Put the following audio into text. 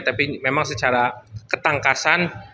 tapi memang secara ketangkasan